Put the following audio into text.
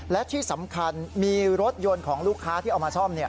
และที่สำคัญมีรถยนต์ของลูกค้าที่เอามาซ่อม